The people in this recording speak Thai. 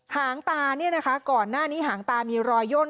หางตาเนี่ยนะคะก่อนหน้านี้หางตามีรอยย่น